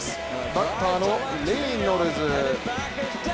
バッターのレイノルズ。